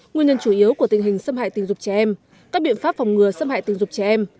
nguyên nhân chủ yếu của tình hình xâm hại tình dục trẻ em các biện pháp phòng ngừa xâm hại tình dục trẻ em